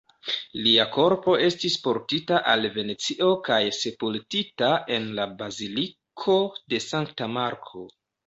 Lia korpo estis portita al Venecio kaj sepultita en la Baziliko de Sankta Marko.